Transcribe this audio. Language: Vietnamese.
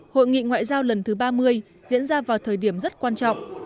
hội nghị ngoại giao lần thứ ba mươi diễn ra vào thời điểm rất quan trọng